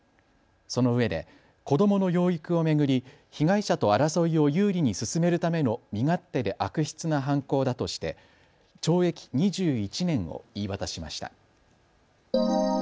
そのうえで子どもの養育を巡り被害者と争いを有利に進めるための身勝手で悪質な犯行だとして懲役２１年を言い渡しました。